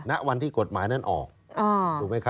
ณวันที่กฎหมายนั้นออก